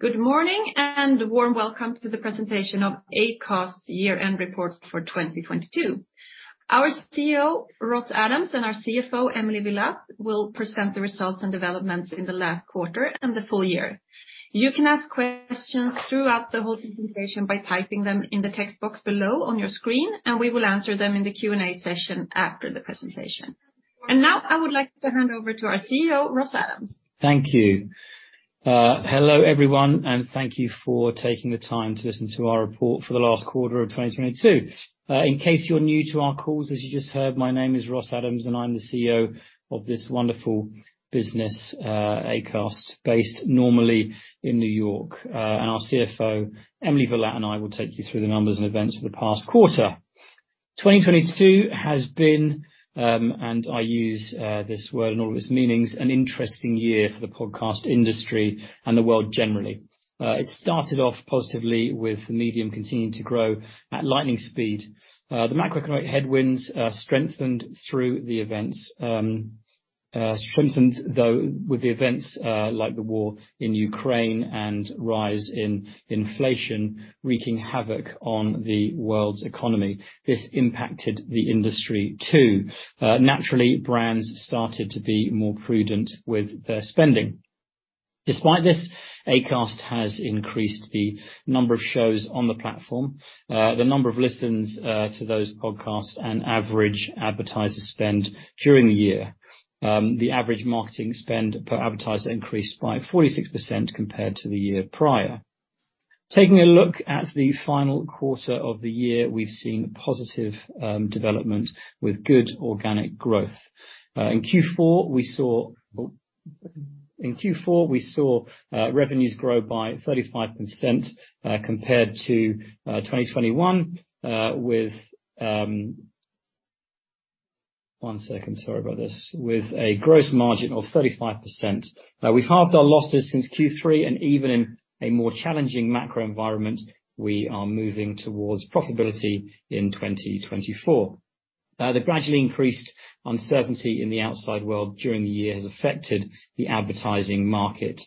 Good morning and warm welcome to the presentation of Acast's year-end report for 2022. Our CEO, Ross Adams, and our CFO, Emily Villatte, will present the results and developments in the last quarter and the full year. You can ask questions throughout the whole presentation by typing them in the text box below on your screen, and we will answer them in the Q&A session after the presentation. Now, I would like to hand over to our CEO, Ross Adams. Thank you. Hello, everyone, thank you for taking the time to listen to our report for the last quarter of 2022. In case you're new to our calls, as you just heard, my name is Ross Adams, and I'm the CEO of this wonderful business, Acast, based normally in New York. Our CFO, Emily Villatte, and I will take you through the numbers and events for the past quarter. 2022 has been, and I use this word in all of its meanings, an interesting year for the podcast industry and the world generally. It started off positively with the medium continuing to grow at lightning speed. The macroeconomic headwinds strengthened, though, with the events like the war in Ukraine and rise in inflation wreaking havoc on the world's economy. This impacted the industry, too. Naturally, brands started to be more prudent with their spending. Despite this, Acast has increased the number of shows on the platform, the number of listens to those podcasts, and average advertiser spend during the year. The average marketing spend per advertiser increased by 46% compared to the year prior. Taking a look at the final quarter of the year, we've seen positive development with good organic growth. In Q4, we saw revenues grow by 35% compared to 2021, with a gross margin of 35%. We've halved our losses since Q3, and even in a more challenging macro environment, we are moving towards profitability in 2024. The gradually increased uncertainty in the outside world during the year has affected the advertising market,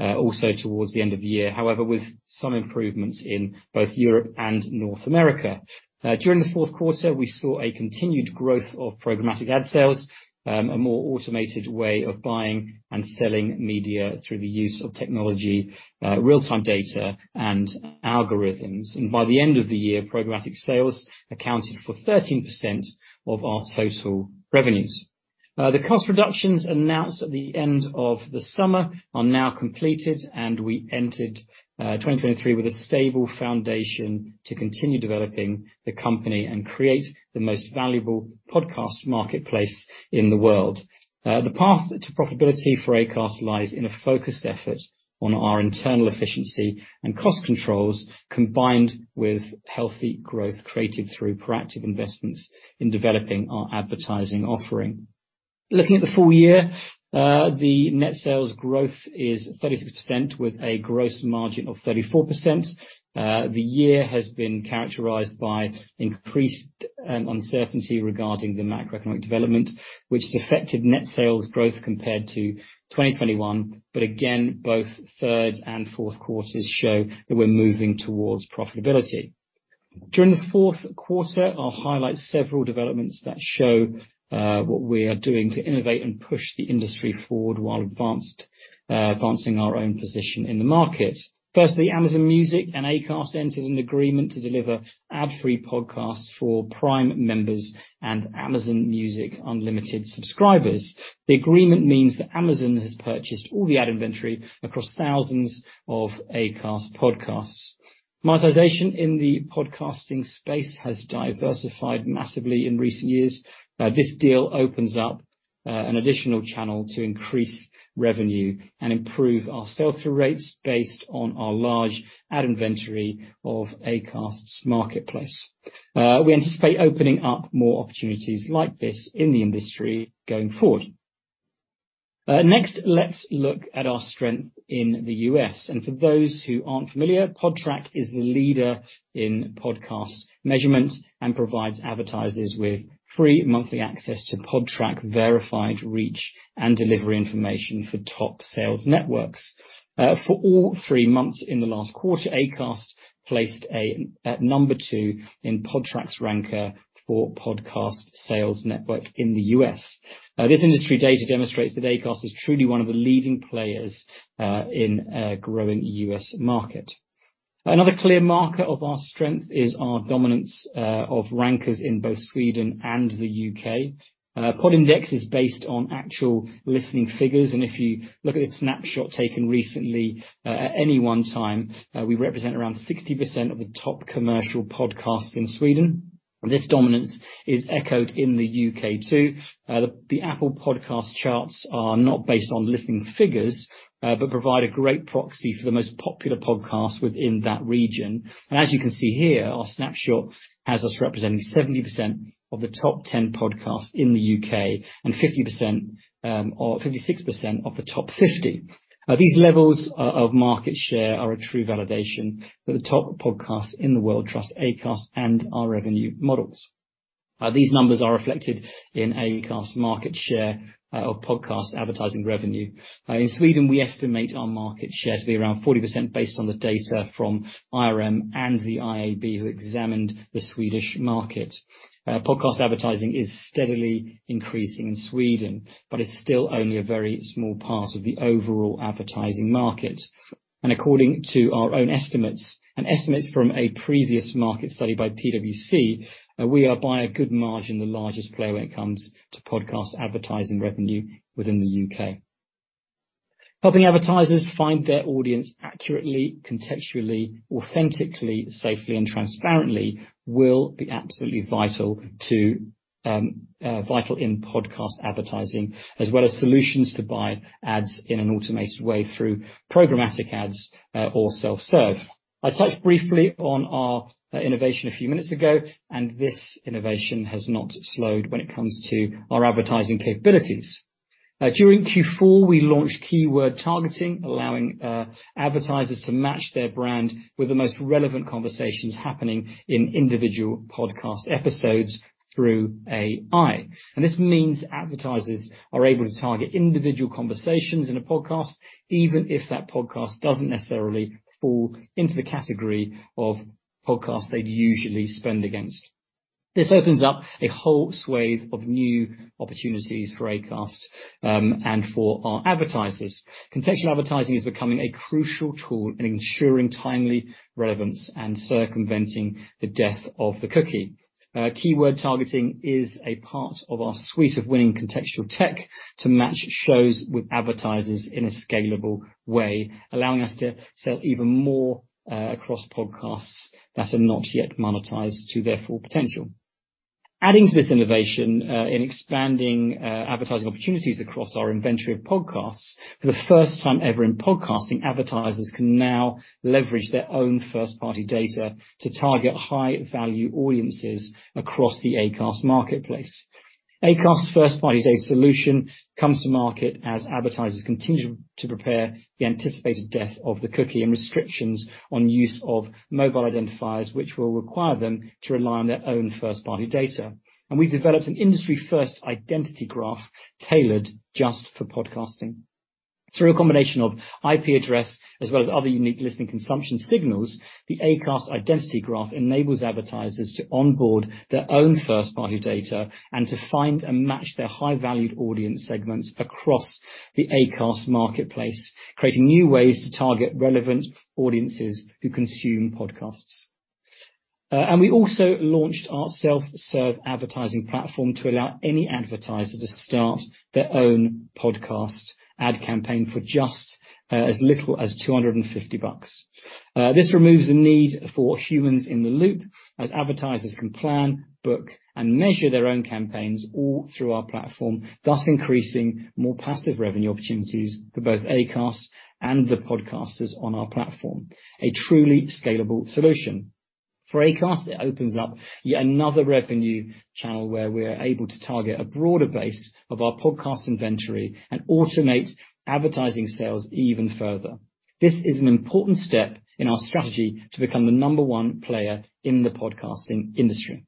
also towards the end of the year, however, with some improvements in both Europe and North America. During the fourth quarter, we saw a continued growth of programmatic ad sales, a more automated way of buying and selling media through the use of technology, real-time data, and algorithms. By the end of the year, programmatic sales accounted for 13% of our total revenues. The cost reductions announced at the end of the summer are now completed, and we entered 2023 with a stable foundation to continue developing the company and create the most valuable podcast marketplace in the world. The path to profitability for Acast lies in a focused effort on our internal efficiency and cost controls, combined with healthy growth created through proactive investments in developing our advertising offering. Looking at the full year, the net sales growth is 36% with a gross margin of 34%. The year has been characterized by increased uncertainty regarding the macroeconomic development, which has affected net sales growth compared to 2021, but again, both third and fourth quarters show that we're moving towards profitability. During the fourth quarter, I'll highlight several developments that show what we are doing to innovate and push the industry forward while advancing our own position in the market. Firstly, Amazon Music and Acast entered an agreement to deliver ad free podcasts for Prime members and Amazon Music Unlimited subscribers. The agreement means that Amazon has purchased all the ad inventory across thousands of Acast's podcasts. Monetization in the podcasting space has diversified massively in recent years. This deal opens up an additional channel to increase revenue and improve our sell-through rates based on our large ad inventory of Acast's marketplace. We anticipate opening up more opportunities like this in the industry going forward. Next, let's look at our strength in the U.S. For those who aren't familiar, Podtrac is the leader in podcast measurement and provides advertisers with free monthly access to Podtrac-verified reach and delivery information for top sales networks. For all three months in the last quarter, Acast placed at number two in Podtrac's ranker for podcast sales network in the U.S. This industry data demonstrates that Acast is truly one of the leading players in a growing U.S. market. Another clear marker of our strength is our dominance of rankers in both Sweden and the U.K. Podindex is based on actual listening figures. If you look at this snapshot taken recently, at any one time, we represent around 60% of the top commercial podcasts in Sweden. This dominance is echoed in the U.K., too. The Apple Podcasts charts are not based on listening figures. Provide a great proxy for the most popular podcasts within that region. As you can see here, our snapshot has us representing 70% of the top 10 podcasts in the U.K. and 50%, or 56% of the top 50. These levels of market share are a true validation that the top podcasts in the world trust Acast and our revenue models. These numbers are reflected in Acast's market share of podcast advertising revenue. In Sweden, we estimate our market share to be around 40% based on the data from IRM and the IAB who examined the Swedish market. Podcast advertising is steadily increasing in Sweden, but it's still only a very small part of the overall advertising market. According to our own estimates and estimates from a previous market study by PwC, we are, by a good margin, the largest player when it comes to podcast advertising revenue within the U.K. Helping advertisers find their audience accurately, contextually, authentically, safely, and transparently will be absolutely vital to vital in podcast advertising, as well as solutions to buy ads in an automated way through programmatic ads or self-serve. I touched briefly on our innovation a few minutes ago. This innovation has not slowed when it comes to our advertising capabilities. During Q4, we launched Keyword Targeting, allowing advertisers to match their brand with the most relevant conversations happening in individual podcast episodes through AI. This means advertisers are able to target individual conversations in a podcast, even if that podcast doesn't necessarily fall into the category of podcasts they'd usually spend against. This opens up a whole swathe of new opportunities for Acast and for our advertisers. Contextual advertising is becoming a crucial tool in ensuring timely relevance and circumventing the death of the cookie. Keyword Targeting is a part of our suite of winning contextual tech to match shows with advertisers in a scalable way, allowing us to sell even more across podcasts that are not yet monetized to their full potential. Adding to this innovation, in expanding advertising opportunities across our inventory of podcasts, for the first time ever in podcasting, advertisers can now leverage their own first-party data to target high-value audiences across the Acast marketplace. Acast's first-party data solution comes to market as advertisers continue to prepare the anticipated death of the cookie and restrictions on use of mobile identifiers, which will require them to rely on their own first-party data. We've developed an industry-first identity graph tailored just for podcasting. Through a combination of IP address as well as other unique listening consumption signals, the Acast identity graph enables advertisers to onboard their own first-party data and to find and match their high-valued audience segments across the Acast marketplace, creating new ways to target relevant audiences who consume podcasts. We also launched our self-serve advertising platform to allow any advertiser to start their own podcast ad campaign for just as little as $250. This removes the need for humans in the loop as advertisers can plan, book, and measure their own campaigns all through our platform, thus increasing more passive revenue opportunities for both Acast and the podcasters on our platform. A truly scalable solution. For Acast, it opens up yet another revenue channel where we're able to target a broader base of our podcast inventory and automate advertising sales even further. This is an important step in our strategy to become the number one player in the podcasting industry.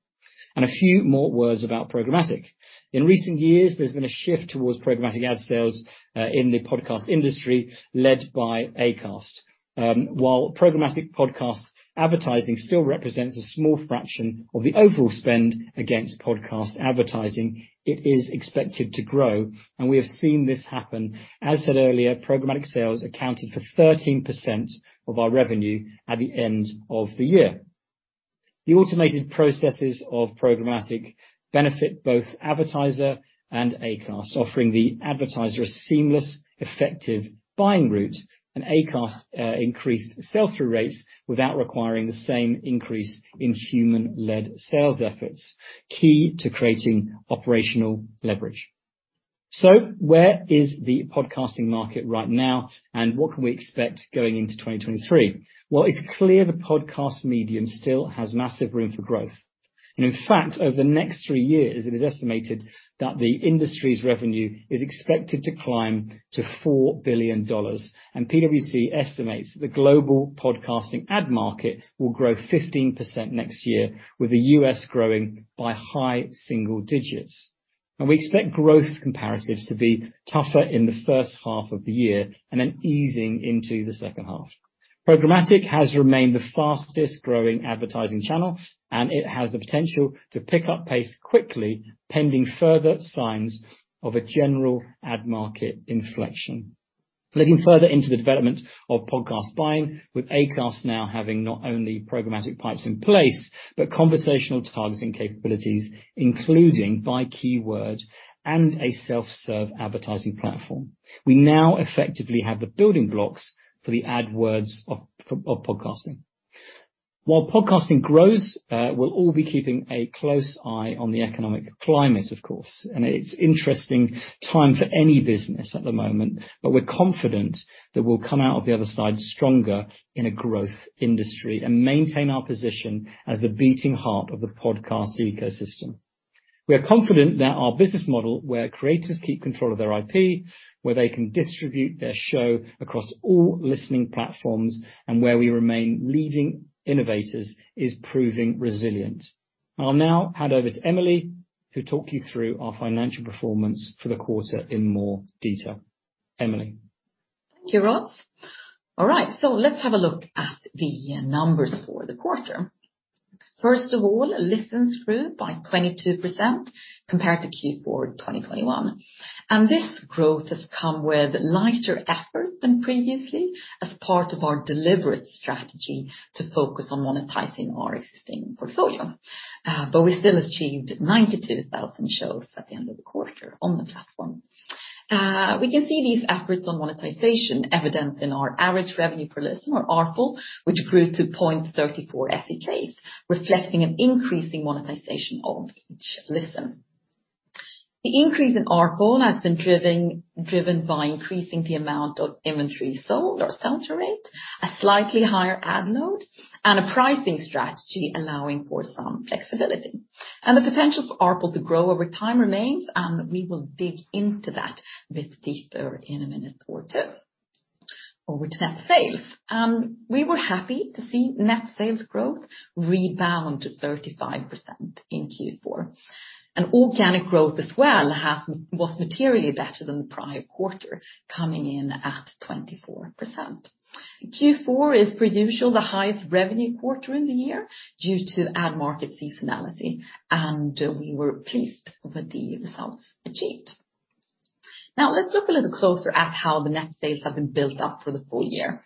A few more words about programmatic. In recent years, there's been a shift towards programmatic ad sales in the podcast industry, led by Acast. While programmatic podcast advertising still represents a small fraction of the overall spend against podcast advertising, it is expected to grow, and we have seen this happen. As said earlier, programmatic sales accounted for 13% of our revenue at the end of the year. The automated processes of programmatic benefit both advertiser and Acast, offering the advertiser a seamless, effective buying route, and Acast increased sell-through rates without requiring the same increase in human-led sales efforts, key to creating operational leverage. Where is the podcasting market right now, and what can we expect going into 2023? Well, it's clear the podcast medium still has massive room for growth. In fact, over the next three years, it is estimated that the industry's revenue is expected to climb to $4 billion. PwC estimates the global podcasting ad market will grow 15% next year, with the U.S. growing by high single digits. We expect growth comparatives to be tougher in the first half of the year and then easing into the second half. Programmatic has remained the fastest-growing advertising channel, and it has the potential to pick up pace quickly, pending further signs of a general ad market inflection. Looking further into the development of podcast buying with Acast now having not only programmatic pipes in place, but conversational targeting capabilities, including by keyword and a self-serve advertising platform. We now effectively have the building blocks for the AdWords of podcasting. While podcasting grows, we'll all be keeping a close eye on the economic climate, of course. It's interesting time for any business at the moment, but we're confident that we'll come out of the other side stronger in a growth industry and maintain our position as the beating heart of the podcast ecosystem. We are confident that our business model, where creators keep control of their IP, where they can distribute their show across all listening platforms, and where we remain leading innovators, is proving resilient. I'll now hand over to Emily to talk you through our financial performance for the quarter in more detail. Emily. Thank you, Ross. All right, let's have a look at the numbers for the quarter. First of all, listens grew by 22% compared to Q4 2021. This growth has come with lighter effort than previously as part of our deliberate strategy to focus on monetizing our existing portfolio. We still achieved 92,000 shows at the end of the quarter on the platform. We can see these efforts on monetization evidenced in our average revenue per listen or ARPL, which grew to 0.34 SEK, reflecting an increasing monetization of each listen. The increase in ARPL has been driven by increasing the amount of inventory sold or sell-through rate, a slightly higher ad load, and a pricing strategy allowing for some flexibility. The potential for ARPL to grow over time remains, and we will dig into that with Dieter in a minute or two. Over to net sales. We were happy to see net sales growth rebound to 35% in Q4. Organic growth as well was materially better than the prior quarter, coming in at 24%. Q4 is pretty sure the highest revenue quarter in the year due to ad market seasonality, and we were pleased with the results achieved. Let's look a little closer at how the net sales have been built up for the full year.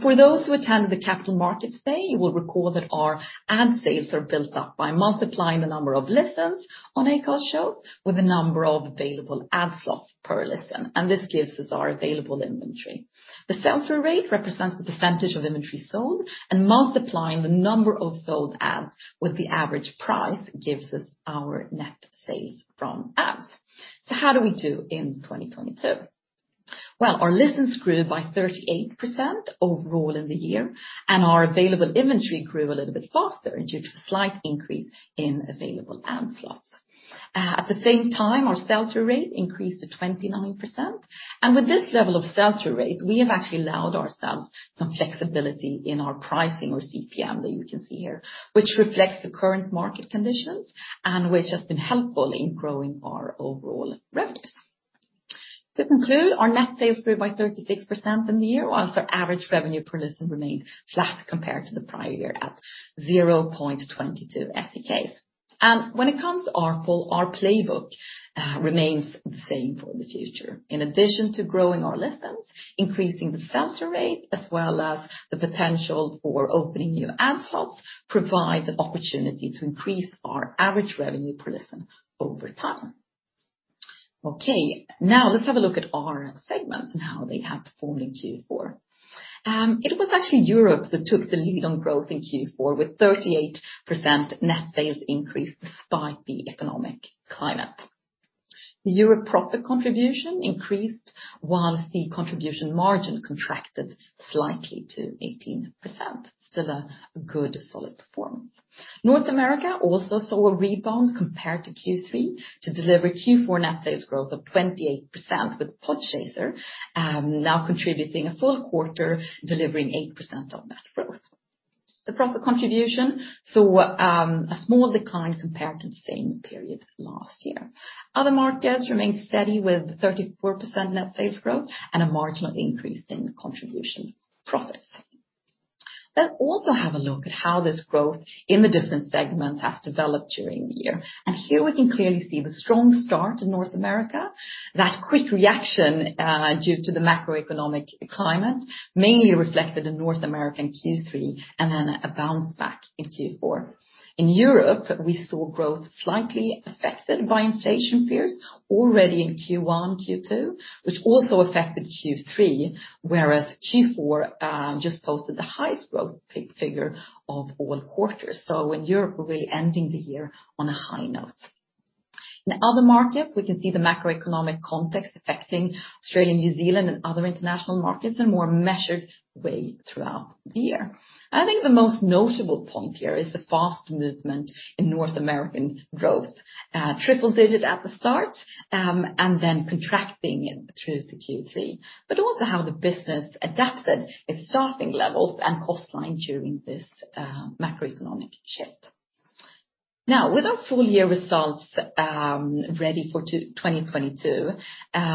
For those who attended the Capital Markets Day, you will recall that our ad sales are built up by multiplying the number of listens on Acast shows with the number of available ad slots per listen, and this gives us our available inventory. The sell-through rate represents the percentage of inventory sold, and multiplying the number of sold ads with the average price gives us our net sales from ads. How did we do in 2022? Well, our listens grew by 38% overall in the year, and our available inventory grew a little bit faster due to a slight increase in available ad slots. At the same time, our sell-through rate increased to 29%. With this level of sell-through rate, we have actually allowed ourselves some flexibility in our pricing or CPM that you can see here, which reflects the current market conditions and which has been helpful in growing our overall revenues. To conclude, our net sales grew by 36% in the year, whilst our average revenue per listen remained flat compared to the prior year at 0.22 SEK. When it comes to ARPL, our playbook remains the same for the future. In addition to growing our listens, increasing the sell-through rate, as well as the potential for opening new ad slots, provides the opportunity to increase our average revenue per listen over time. Now let's have a look at our segments and how they have performed in Q4. It was actually Europe that took the lead on growth in Q4 with 38% net sales increase despite the economic climate. Europe profit contribution increased, whilst the contribution margin contracted slightly to 18%. Still a good solid performance. North America also saw a rebound compared to Q3 to deliver Q4 net sales growth of 28% with Podchaser now contributing a full quarter, delivering 8% of that growth. The profit contribution saw a small decline compared to the same period last year. Other markets remained steady with 34% net sales growth and a marginal increase in contribution profits. Let's also have a look at how this growth in the different segments has developed during the year. Here we can clearly see the strong start in North America. That quick reaction, due to the macroeconomic climate, mainly reflected in North American Q3 and then a bounce back in Q4. In Europe, we saw growth slightly affected by inflation fears already in Q1, Q2, which also affected Q3, whereas Q4 just posted the highest growth figure of all quarters. In Europe, we're really ending the year on a high note. In other markets, we can see the macroeconomic context affecting Australia, New Zealand, and other international markets in a more measured way throughout the year. I think the most notable point here is the fast movement in North American growth. Triple digits at the start, and then contracting it through to Q3, but also how the business adapted its staffing levels and cost line during this macroeconomic shift. Now, with our full year results, ready for 2022,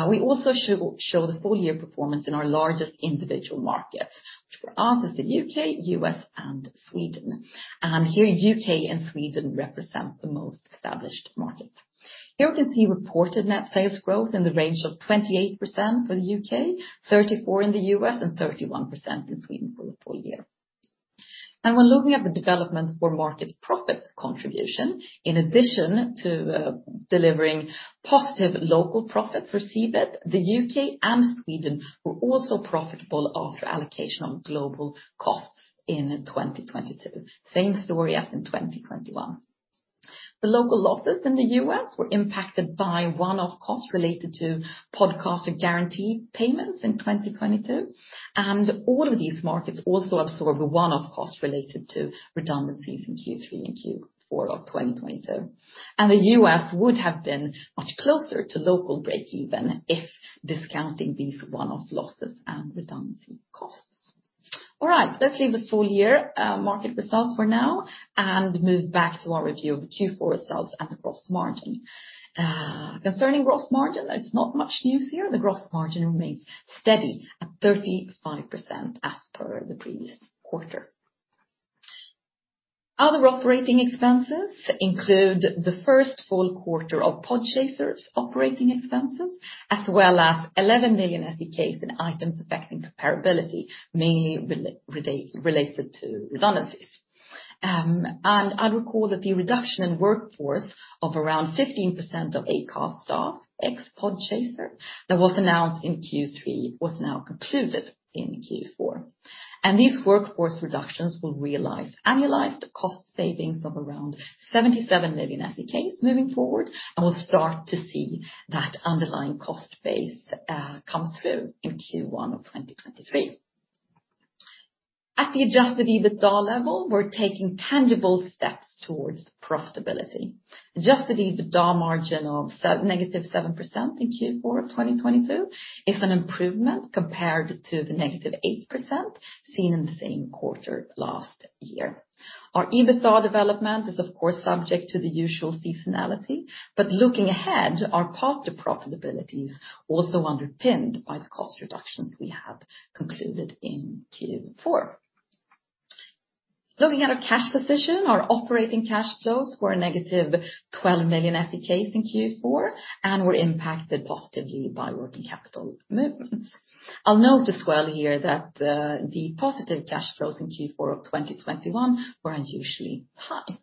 we also show the full year performance in our largest individual markets, which for us is the U.K., U.S., and Sweden. Here, U.K. and Sweden represent the most established markets. Here we can see reported net sales growth in the range of 28% for the U.K., 34% in the U.S., and 31% in Sweden for the full year. When looking at the development for market profit contribution, in addition to delivering positive local profits for CBIT, the UK and Sweden were also profitable after allocation of global costs in 2022. Same story as in 2021. The local losses in the US were impacted by one-off costs related to podcast guarantee payments in 2022, and all of these markets also absorbed one-off costs related to redundancies in Q3 and Q4 of 2022. The US would have been much closer to local breakeven if discounting these one-off losses and redundancy costs. All right, let's leave the full year market results for now and move back to our review of the Q4 results and the gross margin. Concerning gross margin, there's not much news here. The gross margin remains steady at 35% as per the previous quarter. Other operating expenses include the first full quarter of Podchaser's operating expenses, as well as 11 million in items affecting comparability, mainly related to redundancies. I'd recall that the reduction in workforce of around 15% of Acast staff, ex-Podchaser, that was announced in Q3 was now concluded in Q4. These workforce reductions will realize annualized cost savings of around 77 million SEK moving forward and will start to see that underlying cost base come through in Q1 of 2023. At the adjusted EBITDA level, we're taking tangible steps towards profitability. Adjusted EBITDA margin of -7% in Q4 of 2022 is an improvement compared to the -8% seen in the same quarter last year. Our EBITDA development is of course subject to the usual seasonality, but looking ahead, our path to profitability is also underpinned by the cost reductions we have concluded in Q4. Looking at our cash position, our operating cash flows were a negative 12 million SEK in Q4 and were impacted positively by working capital movements. I'll note as well here that the positive cash flows in Q4 of 2021 were unusually high.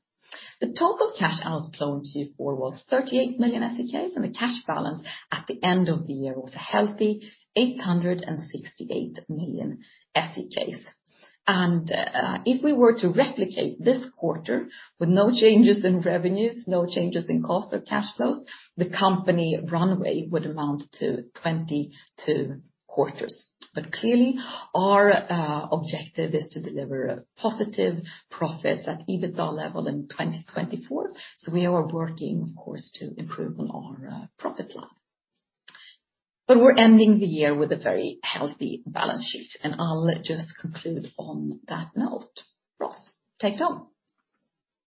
The total cash outflows in Q4 was 38 million SEK, and the cash balance at the end of the year was a healthy 868 million SEK. If we were to replicate this quarter with no changes in revenues, no changes in cost or cash flows, the company runway would amount to 22 quarters. Clearly, our objective is to deliver positive profits at EBITDA level in 2024. We are working, of course, to improve on our profit line. We're ending the year with a very healthy balance sheet. I'll just conclude on that note. Ross, take it on.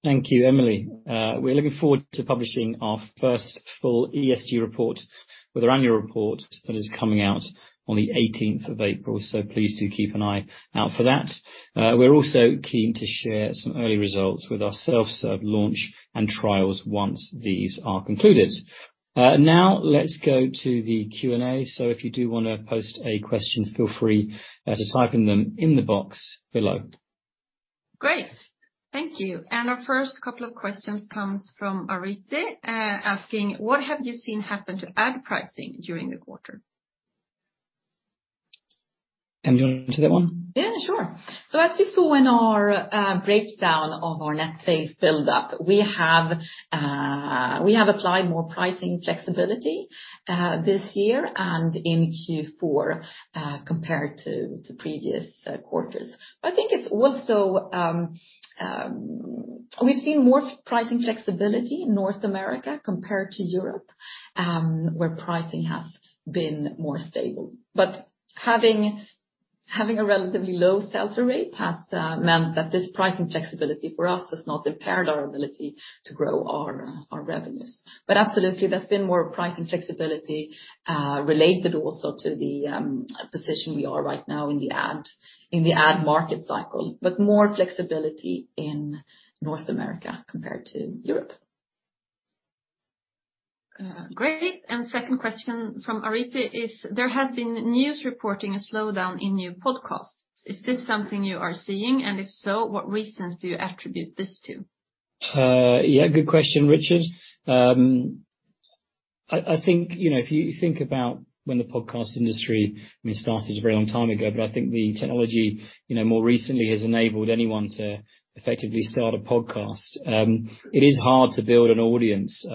Thank you, Emily. We're looking forward to publishing our first full ESG report with our annual report that is coming out on the 18th of April. Please do keep an eye out for that. We're also keen to share some early results with our self-serve launch and trials once these are concluded. Now let's go to the Q&A. If you do wanna post a question, feel free to type in them in the box below. Great. Thank you. Our first couple of questions comes from Arete, asking: What have you seen happen to ad pricing during the quarter? Emily, do you wanna answer that one? Yeah, sure. Let's just go in our breakdown of our net sales build-up. We have applied more pricing flexibility this year and in Q4 compared to previous quarters. I think it's also, we've seen more pricing flexibility in North America compared to Europe, where pricing has been more stable. Having a relatively low sales rate has meant that this pricing flexibility for us has not impaired our ability to grow our revenues. Absolutely, there's been more pricing flexibility related also to the position we are right now in the ad market cycle, but more flexibility in North America compared to Europe. Great. Second question from Arete is: There has been news reporting a slowdown in new podcasts. Is this something you are seeing? If so, what reasons do you attribute this to? Yeah, good question, Richard. I think, you know, if you think about when the podcast industry, I mean, started a very long time ago, but I think the technology, you know, more recently has enabled anyone to effectively start a podcast. It is hard to build an audience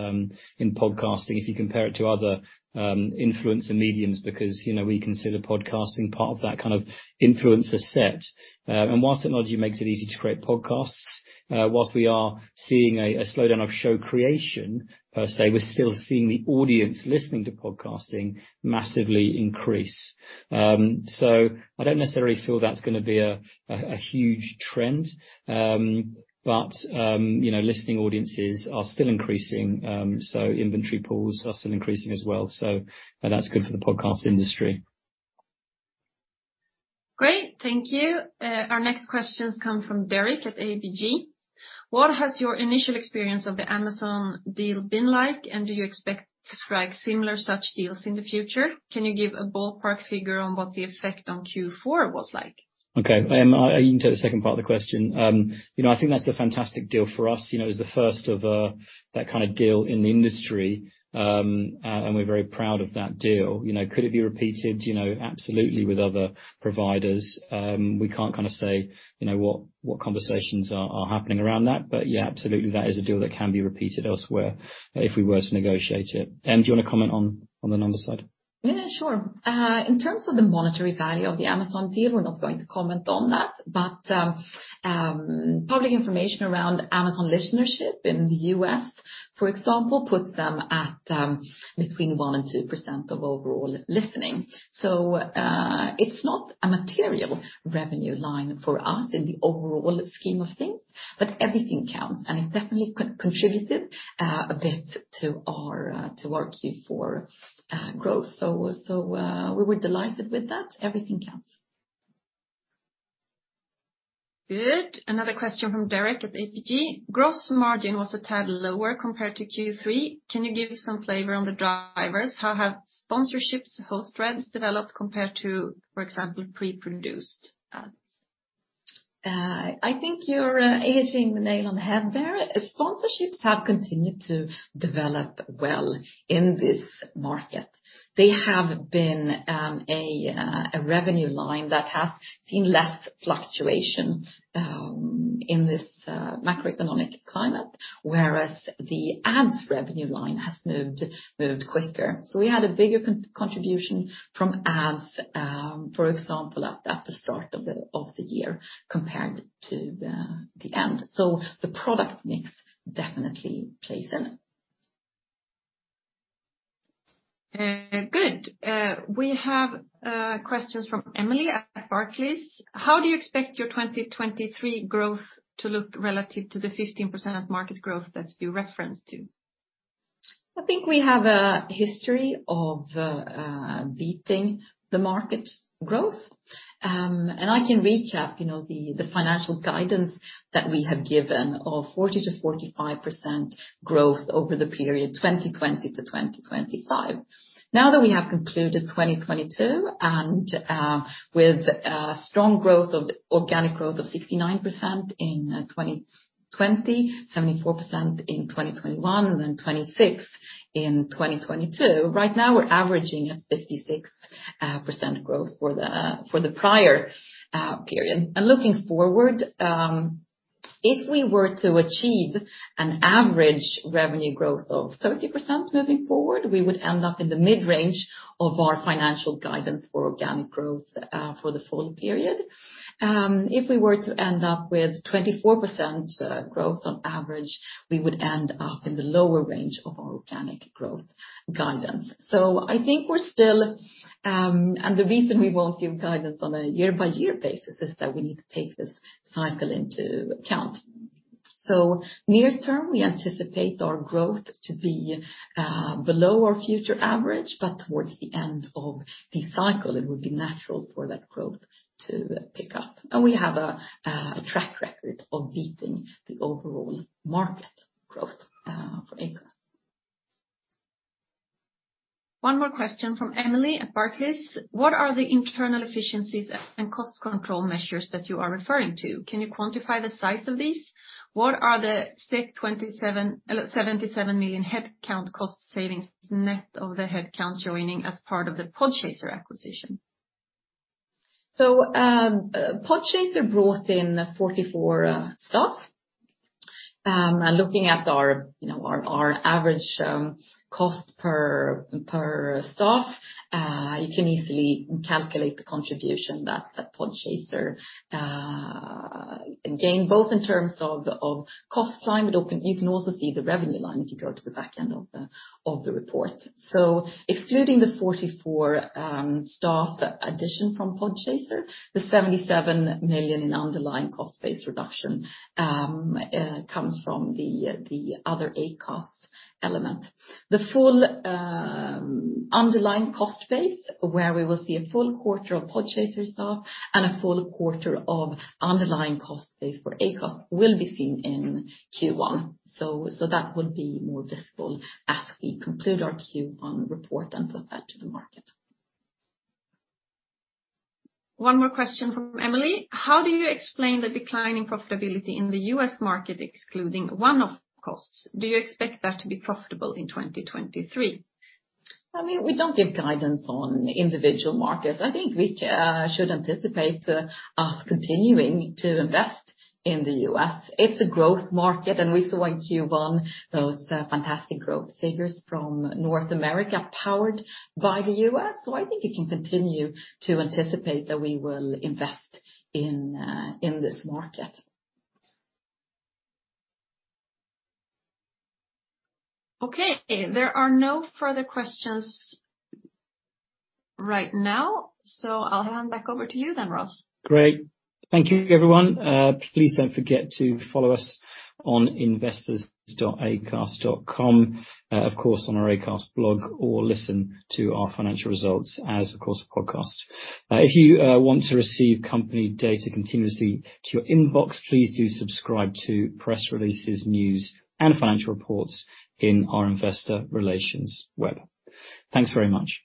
in podcasting if you compare it to other influencer mediums because, you know, we consider podcasting part of that kind of influencer set. Whilst technology makes it easy to create podcasts, whilst we are seeing a slowdown of show creation per se, we're still seeing the audience listening to podcasting massively increase. I don't necessarily feel that's gonna be a huge trend. You know, listening audiences are still increasing, inventory pools are still increasing as well. That's good for the podcast industry. Great. Thank you. Our next questions come from Derek at ABG. What has your initial experience of the Amazon deal been like, and do you expect to strike similar such deals in the future? Can you give a ballpark figure on what the effect on Q4 was like? Okay. Em, I can take the second part of the question. You know, I think that's a fantastic deal for us. You know, it's the first of that kinda deal in the industry, and we're very proud of that deal. You know, could it be repeated, you know, absolutely with other providers? We can't kinda say, you know, what conversations are happening around that. Yeah, absolutely, that is a deal that can be repeated elsewhere, if we were to negotiate it. Em, do you wanna comment on the numbers side? Yeah, sure. In terms of the monetary value of the Amazon deal, we're not going to comment on that. Public information around Amazon listenership in the US, for example, puts them at between 1% and 2% of overall listening. It's not a material revenue line for us in the overall scheme of things, but everything counts, and it definitely contributed a bit to our Q4 growth. We were delighted with that. Everything counts. Good. Another question from Derek at ABG. Gross margin was a tad lower compared to Q3. Can you give me some flavor on the drivers? How have sponsorships, host-reads developed compared to, for example, pre-produced ads? I think you're hitting the nail on the head there. Sponsorships have continued to develop well in this market. They have been a revenue line that has seen less fluctuation in this macroeconomic climate, whereas the ads revenue line has moved quicker. We had a bigger contribution from ads, for example, at the start of the year compared to the end. The product mix definitely plays in. Good. We have questions from Emily at Barclays. How do you expect your 2023 growth to look relative to the 15% market growth that you referenced to? I think we have a history of beating the market growth. I can recap, you know, the financial guidance that we have given of 40%-45% growth over the period 2020-2025. Now that we have concluded 2022 and with organic growth of 69% in 2020, 74% in 2021, and then 26% in 2022. Right now we're averaging at 56% growth for the prior period. Looking forward, if we were to achieve an average revenue growth of 30% moving forward, we would end up in the mid-range of our financial guidance for organic growth for the full period. If we were to end up with 24% growth on average, we would end up in the lower range of our organic growth guidance. I think we're still. The reason we won't give guidance on a year-by-year basis is that we need to take this cycle into account. Near term, we anticipate our growth to be below our future average, but towards the end of the cycle, it would be natural for that growth to pick up. We have a track record of beating the overall market growth for Acast. One more question from Emily at Barclays. What are the internal efficiencies and cost control measures that you are referring to? Can you quantify the size of these? What are the 77 million head count cost savings net of the head count joining as part of the Podchaser acquisition? Podchaser brought in 44 staff. Looking at our, you know, our average cost per staff, you can easily calculate the contribution that Podchaser gained both in terms of cost time, but you can also see the revenue line if you go to the back end of the report. Excluding the 44 staff addition from Podchaser, the 77 million in underlying cost base reduction comes from the other Acast element. The full underlying cost base where we will see a full quarter of Podchaser staff and a full quarter of underlying cost base for Acast will be seen in Q1. That would be more visible as we conclude our Q1 report and put that to the market. One more question from Emily. How do you explain the decline in profitability in the U.S. market excluding one-off costs? Do you expect that to be profitable in 2023? I mean, we don't give guidance on individual markets. I think we should anticipate us continuing to invest in the US. It's a growth market. We saw in Q1 those fantastic growth figures from North America powered by the US. I think you can continue to anticipate that we will invest in this market. Okay. There are no further questions right now. I'll hand back over to you then, Ross. Great. Thank you, everyone. Please don't forget to follow us on investors.acast.com, of course, on our Acast blog, or listen to our financial results as, of course, a podcast. If you want to receive company data continuously to your inbox, please do subscribe to press releases, news, and financial reports in our investor relations web. Thanks very much.